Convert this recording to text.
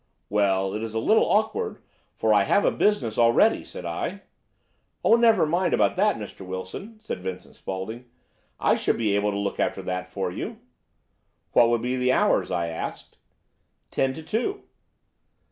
"'Well, it is a little awkward, for I have a business already,' said I. "'Oh, never mind about that, Mr. Wilson!' said Vincent Spaulding. 'I should be able to look after that for you.' "'What would be the hours?' I asked. "'Ten to two.